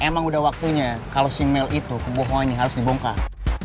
emang udah waktunya kalo si mel itu kebohongannya harus dibongkar